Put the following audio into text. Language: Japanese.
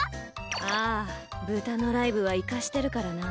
ああ豚のライブはイカしてるからな。